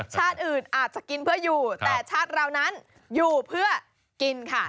ชาติอื่นอาจจะกินเพื่ออยู่แต่ชาติเรานั้นอยู่เพื่อกินค่ะ